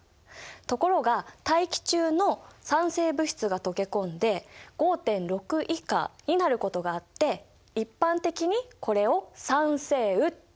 ところが大気中の酸性物質が溶け込んで５．６以下になることがあって一般的にこれを酸性雨っていうんだ。